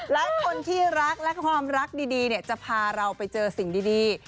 และคนที่รักและความรักดีจะพาเราไปเจอสิ่งดี